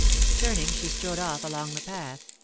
Turning, she strode off along the path.